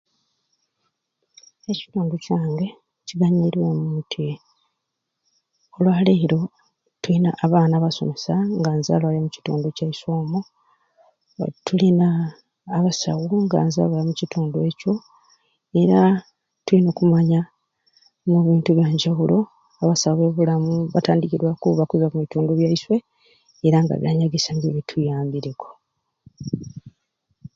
Ekitundu kyange kyiganyirwemu nti olwalero tuyina abaana abasomesa nga nzalwa ya mukitundu kyaiswe omwo tulina abasawu nga nzalwa ya mu kitundu ekyo era tuyina okumanya omu bintu ebyanjawulo abasawo ba byabulamu batandikirweku okwiza omu bitundu byaiswe era nga ebyanyegesya nibyo bituyambireku